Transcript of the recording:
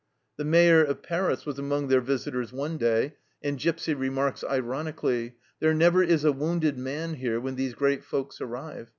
The Mayor of Paris was among their visitors one 196 THE CELLAR HOUSE OF PERVYSE day, and Gipsy remarks ironically :" There never is a wounded man here when these great folks arrive.